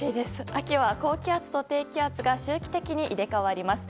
秋は高気圧と低気圧が周期的に入れ替わります。